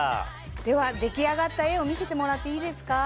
では出来上がった絵を見せてもらっていいですか？